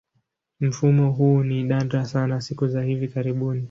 Mfumo huu ni nadra sana siku za hivi karibuni.